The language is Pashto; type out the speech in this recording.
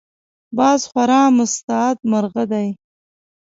باز خورا مستعد مرغه دی